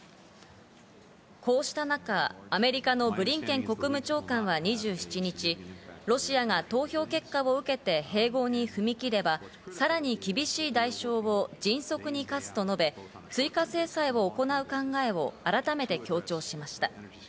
こうした中、アメリカのブリンケン国務長官は２７日、ロシアが投票結果を受けて、併合に踏み切ればさらに厳しい代償を迅速に課すと述べ、追加制裁を行う考えを改めて強調しました。